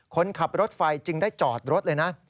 คนขับรถไฟจึงได้จอดรถเลยนะ